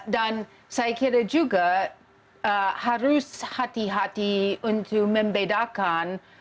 dan saya kira juga harus hati hati untuk membedakan